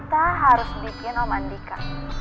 kita harus bikin om andika